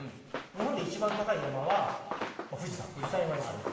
日本で一番高い山は富士山当たり前ですよね。